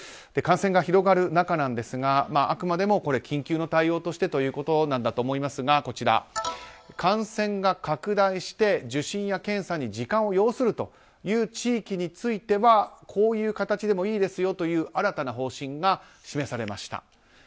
感染が広がる中なんですがあくまでも緊急の対応としてということだと思いますが感染が拡大して受診や検査に時間を要するという地域についてはこういう形でもいいですという新たな方針が示されました。